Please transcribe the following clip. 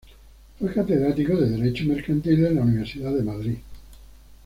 Fue catedrático de derecho mercantil en la Universidad de Madrid.